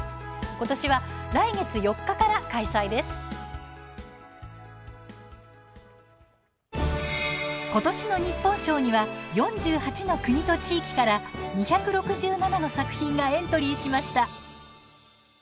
ことしの日本賞には４８の国と地域から２６７の作品がエントリーしました。